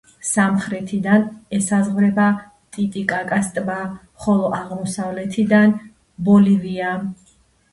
სამხრეთიდან ესაზღვრება ტიტიკაკას ტბა, ხოლო აღმოსავლეთიდან ბოლივია.